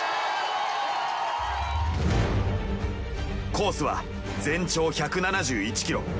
コースは全長１７１ｋｍ。